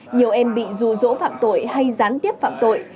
nhiều em bị dù rỗ phạm tội hay gián tiếp phạm tội